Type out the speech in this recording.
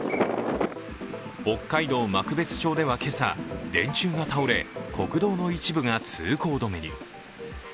北海道幕別町では今朝、電柱が倒れ、国道の一部が通行止めに。